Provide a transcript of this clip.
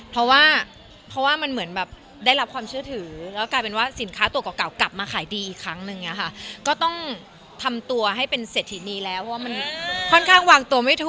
เพราะว่าเพราะว่ามันเหมือนแบบได้รับความเชื่อถือแล้วกลายเป็นว่าสินค้าตัวเก่ากลับมาขายดีอีกครั้งนึงอะค่ะก็ต้องทำตัวให้เป็นเศรษฐีนีแล้วว่ามันค่อนข้างวางตัวไม่ถูก